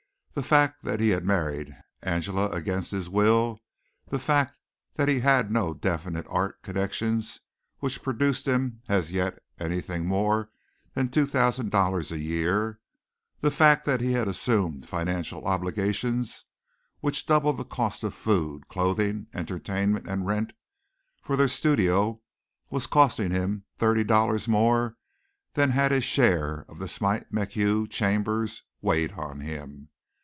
The fact that he had married Angela against his will, the fact that he had no definite art connections which produced him as yet anything more than two thousand dollars a year, the fact that he had assumed financial obligations which doubled the cost of food, clothing, entertainment, and rent for their studio was costing him thirty dollars more than had his share of the Smite MacHugh chambers weighed on him.